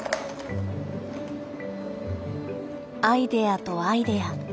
アイデアとアイデア。